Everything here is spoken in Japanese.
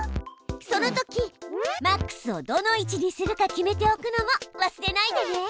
そのときマックスをどの位置にするか決めておくのも忘れないでね。